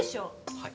はい。